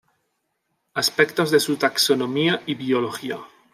Aspectos de su taxonomía y biología".